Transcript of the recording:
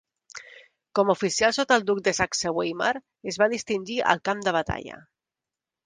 Com a oficial sota el duc de Saxe-Weimar, es va distingir al camp de batalla.